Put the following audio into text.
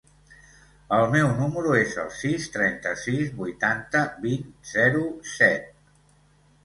El meu número es el sis, trenta-sis, vuitanta, vint, zero, set.